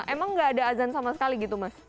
emang gak ada azan sama sekali gitu mas